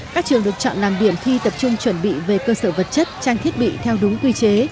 các trường được chọn làm điểm thi tập trung chuẩn bị về cơ sở vật chất trang thiết bị theo đúng quy chế